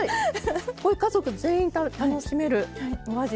これ家族全員楽しめるお味。